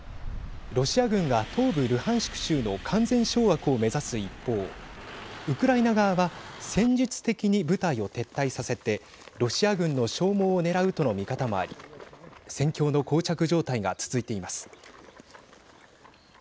ロシア軍が東部ルハンシク州の完全掌握を目指す一方ウクライナ側は戦術的に部隊を撤退させてロシア軍の消耗を狙うとの見方もあり戦況のこう着状態が続いています。